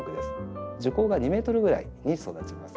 樹高が２ｍぐらいに育ちます。